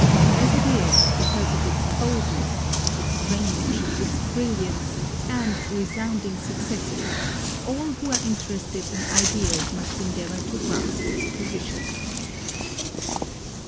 As it is, because of its boldness, its range, its brilliance and resounding successes, all who are interested in ideas must endeavour to grasp its position.